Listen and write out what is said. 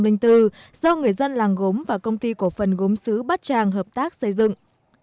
do người dân làng gốm và công ty cổ phần gốm xứ bát tràng hợp tác xây dựng